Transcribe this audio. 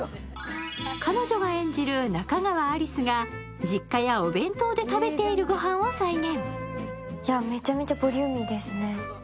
彼女が演じる仲川有栖が実家やお弁当で食べているご飯を再現。